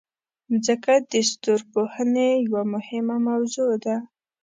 مځکه د ستورپوهنې یوه مهمه موضوع ده.